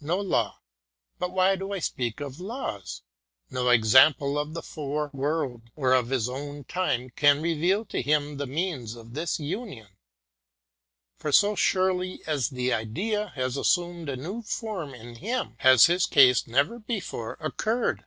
No law but why do I speak of laws? no example of the fore world or of his own time can reveal to him the means of this union, for so surely as the Idea has assumed a new form in him, has his case never before occurred.